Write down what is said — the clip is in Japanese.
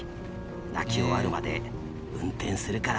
泣き終わるまで運転するから。